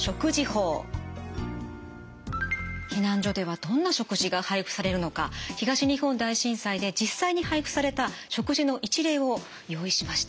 避難所ではどんな食事が配布されるのか東日本大震災で実際に配布された食事の一例を用意しました。